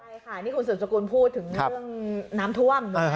ใช่ค่ะนี่คุณสืบสกุลพูดถึงเรื่องน้ำท่วม